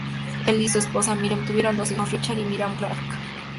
Él y su esposa, Miriam, tuvieron dos hijos: Richard y Miriam Clark.